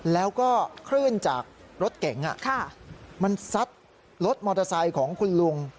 แล้วก็คลื่นจากรถเก๋งมันซัดรถมอเตอร์ไซค์ของคุณลุง